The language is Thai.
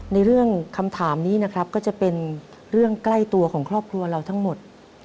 ในเรื่องคำถามนี้นะครับก็จะเป็นเรื่องใกล้ตัวของครอบครัวเราทั้งหมด